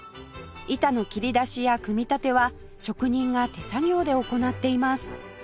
板の切り出しや組み立ては職人が手作業で行っています